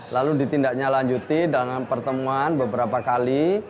lalu ditindaknya lanjuti dalam pertemuan beberapa kali